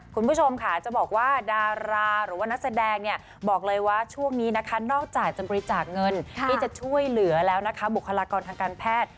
คุณผู้ชมค่ะจะบอกว่าดาราหรือว่านักแสดงเนี่ยบอกเลยว่าช่วงนี้นะคะนอกจากจะบริจาคเงินที่จะช่วยเหลือแล้วนะคะบุคลากรทางการแพทย์